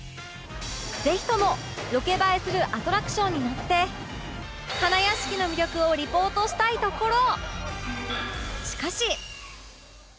ぜひともロケ映えするアトラクションに乗って花やしきの魅力をリポートしたいところ